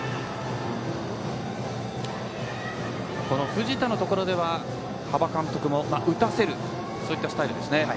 藤田のところでは端場監督も打たせるそういったスタイルですね。